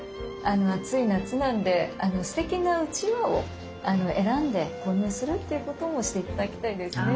暑い夏なんですてきなうちわを選んで購入するっていうこともして頂きたいですね。